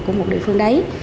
của một địa phương đấy